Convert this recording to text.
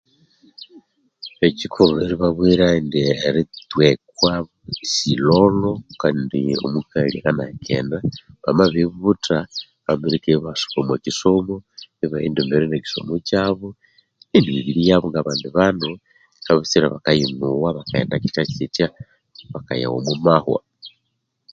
Ekyikulhu lyeribabwira indi eritwekwa si lholho kandi omukali akanaheka enda amabibutha anguli kandi ibasuba omo kisomo ibaghenda embere ne kyisomo kyabo emibiri yabo nga bandi bandu kabutsira bakayinuwa bakaghenda kyithya kyithya bakayawa omwa mahwa